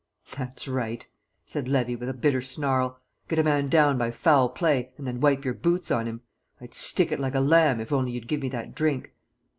"That's right!" said Levy, with a bitter snarl. "Get a man down by foul play, and then wipe your boots on him! I'd stick it like a lamb if only you'd give me that drink."